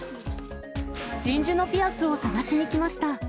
真珠のピアスを探しに来ました。